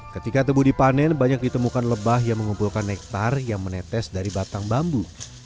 ketika tebu dipanen banyak ditemukan lebah yang mengumpulkan nektar yang menetes dari batang bambu